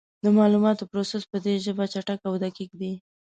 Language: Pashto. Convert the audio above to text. د معلوماتو پروسس په دې ژبه چټک او دقیق دی.